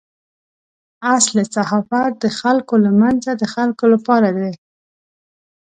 اصل صحافت د خلکو له منځه د خلکو لپاره دی.